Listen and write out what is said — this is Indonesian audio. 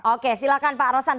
oke silahkan pak rosan